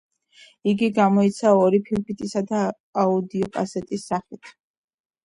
იგი გამოიცა ორი ფირფიტისა და აუდიოკასეტის სახით.